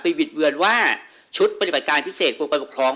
บิดเวือนว่าชุดปฏิบัติการพิเศษกรมการปกครอง